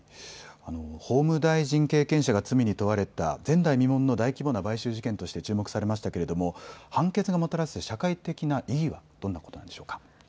法務大臣経験者が罪に問われた前代未聞の大規模な買収事件として注目されましたが判決がもたらす社会的な意義はどんなことでしょうか。